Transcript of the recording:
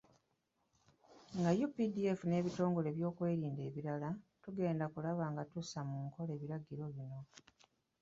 Nga UPDF n'ebitongole by'ebyokwerinda ebirala, tugenda kulaba nga tussa mu nkola ebiragiro bino.